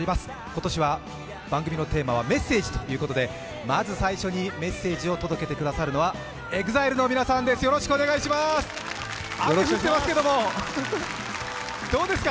今年は番組のテーマは「メッセージ」ということで、まず最初にメッセージを届けてくださるのはＥＸＩＬＥの皆さんです、よろしくお願いいたします。